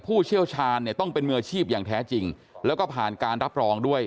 ผู้เชี่ยวชาญเนี่ยต้องเป็นมืออาชีพอย่างแท้จริงแล้วก็ผ่านการรับรองด้วย